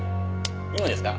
今ですか？